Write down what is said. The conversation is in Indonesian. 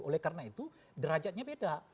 oleh karena itu derajatnya beda